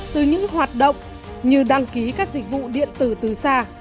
từ những hoạt động như đăng ký các dịch vụ điện tử từ xa